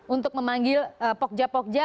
untuk memanggil pokja pokja